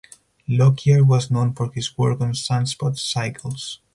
Lockyer was known for his work on sunspot cycles.